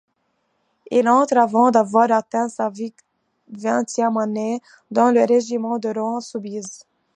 Il entre, avant d’avoir atteint sa vingtième année, dans le régiment de Rohan-Soubise.